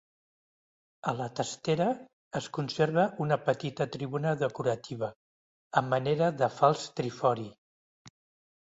En la testera es conserva una petita tribuna decorativa, a manera de fals trifori.